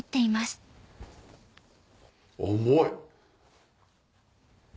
重い。